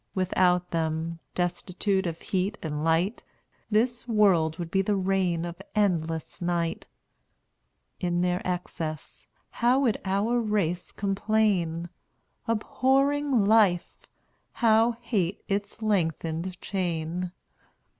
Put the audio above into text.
Without them, destitute of heat and light, This world would be the reign of endless night. In their excess, how would our race complain, Abhorring life! how hate its lengthened chain!